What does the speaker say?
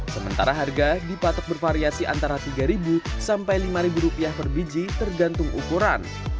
sementara harga dipatok bervariasi antara rp tiga sampai rp lima per biji tergantung ukuran